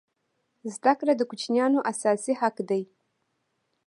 زده کړه د کوچنیانو اساسي حق دی.